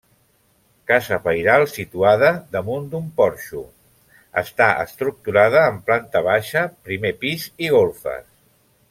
Casa pairal situada damunt d'un porxo; està estructurada en planta baixa, primer pis i golfes.